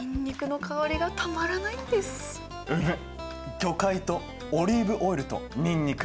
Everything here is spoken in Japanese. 魚介とオリーブオイルとにんにく。